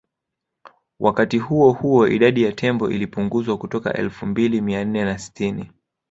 Wakati huo huo idadi ya tembo ilipunguzwa kutoka Elfu mbili mia nne na sitini